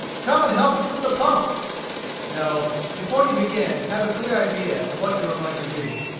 Come and help us with the pumps!" No; before you begin, have a clear idea of what you are going to do.